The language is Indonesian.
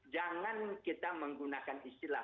jangan kita menggunakan istilah